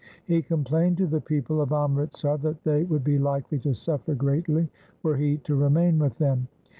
He complained to the people of Amritsar that they would be likely to suffer greatly were he to remain with them.